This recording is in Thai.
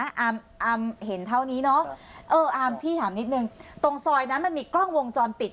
อามอามเห็นเท่านี้เนอะเอออามพี่ถามนิดนึงตรงซอยนั้นมันมีกล้องวงจรปิด